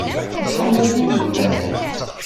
Acḥal aya ur d-banent.